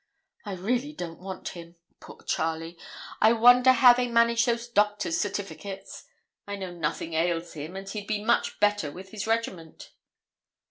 I really don't want him. Poor Charlie! I wonder how they manage those doctors' certificates. I know nothing ails him, and he'd be much better with his regiment.'